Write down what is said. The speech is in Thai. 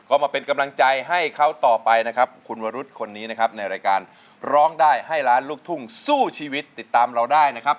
ก็มาเป็นกำลังใจให้เขาต่อไปนะครับคุณวรุษคนนี้นะครับในรายการร้องได้ให้ล้านลูกทุ่งสู้ชีวิตติดตามเราได้นะครับ